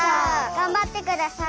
がんばってください。